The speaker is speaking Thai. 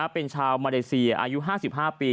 เป็นชาวมาเลเซียอายุ๕๕ปี